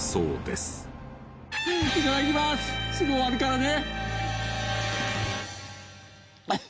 すぐ終わるからね。